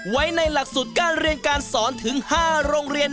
ไว้ในหลักสูตรการเรียนการสอนถึง๕โรงเรียน